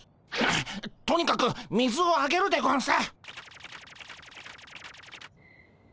とにかく水をあげるでゴンス！